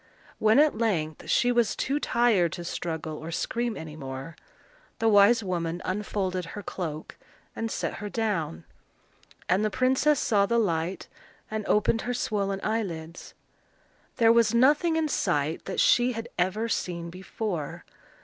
When at length she was too tired to struggle or scream any more, the wise woman unfolded her cloak, and set her down; and the princess saw the light and opened her swollen eyelids. There was nothing in sight that she had ever seen before.